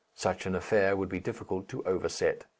Such an affair would be difficult to overset.